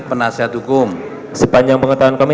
penasihat hukum sepanjang pengetahuan kami